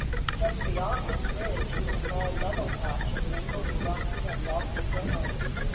Just beyond this bridge is a small level patch of mingled rocky and mossy ground.